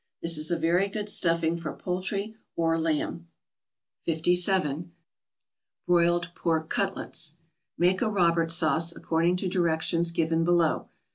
This is a very good stuffing for poultry, or lamb. 57. =Broiled Pork Cutlets.= Make a Robert sauce, according to directions given below.